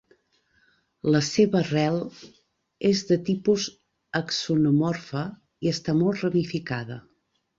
La seva rel és de tipus axonomorfa i està molt ramificada.